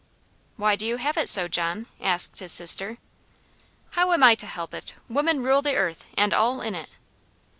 "Why do you have it so, John?" asked his sister. "How am I to help it? Women rule the earth, and all in it."